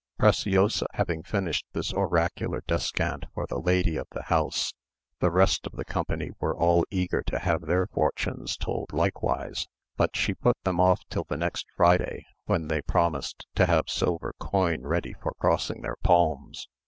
Preciosa having finished this oracular descant for the lady of the house, the rest of the company were all eager to have their fortunes told likewise, but she put them off till the next Friday, when they promised to have silver coin ready for crossing their palms.